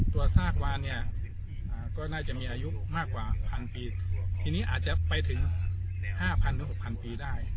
ซากวานเนี่ยก็น่าจะมีอายุมากกว่า๑๐๐ปีทีนี้อาจจะไปถึง๕๐๐๖๐๐ปีได้